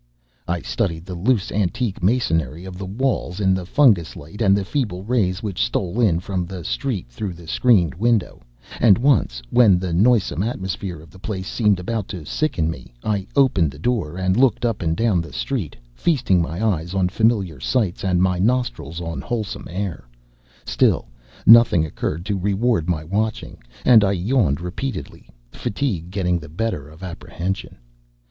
I studied the loose, antique masonry of the walls in the fungus light and the feeble rays which stole in from the street through the screened window; and once, when the noisome atmosphere of the place seemed about to sicken me, I opened the door and looked up and down the street, feasting my eyes on familiar sights and my nostrils on wholesome air. Still nothing occurred to reward my watching; and I yawned repeatedly, fatigue getting the better of apprehension.